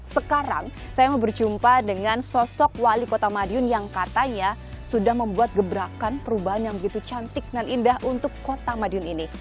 sekarang saya mau berjumpa dengan sosok wali kota madiun yang katanya sudah membuat gebrakan perubahan yang begitu cantik dan indah untuk kota madiun ini